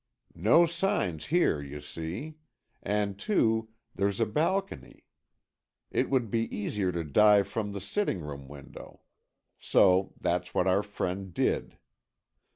"No signs here, you see. And, too, there's a balcony. It would be easier to dive from the sitting room window. So that's what our friend did.